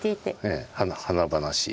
ええ華々しい。